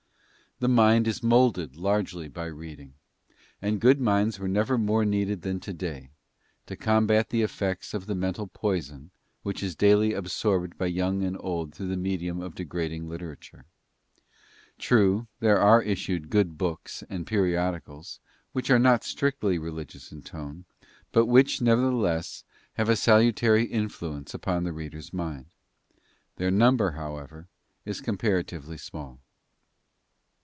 The mind is moulded largely by reading and good minds were never more needed than to day, to combat the effects of the mental poison, which is daily absorbed by young and old through the medium of degrading literature. True, there are issued good books and periodicals which are not strictly religious in tone, but which, nevertheless, have a salutary influence upon the reader's mind. Their number, however, is comparatively small.